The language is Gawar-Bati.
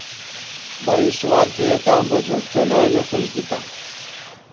بئ سوال کېئیتاں بہ ، جو کېناں اېمے فُس دِتاں